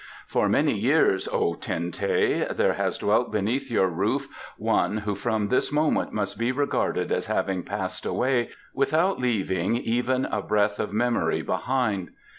For many years, O Ten teh, there has dwelt beneath your roof one who from this moment must be regarded as having passed away without leaving even a breath of memory behind.